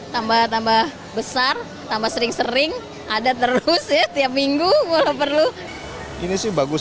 tambah tambah besar tambah sering sering ada terus ya tiap minggu kalau perlu ini sih bagus